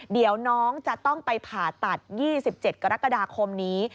เดี๋ยวน้องจะต้องไปผ่าตัด๒๗กรกฎาคมนี้